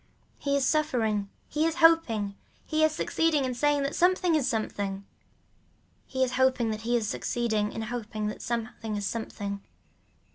He is suffering, he is hoping, he is succeeding in saying that something is something. He is hoping that he is succeeding in hoping that something is something.